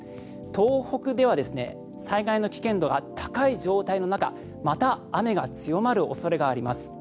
東北では災害の危険度が高い状態の中また、雨が強まる恐れがあります。